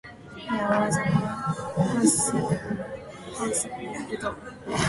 Miller was homeschooled and her mother taught her astrology.